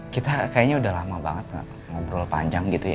kita kayaknya udah lama banget ngobrol panjang gitu ya